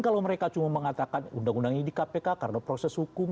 kalau mereka cuma mengatakan undang undang ini di kpk karena proses hukum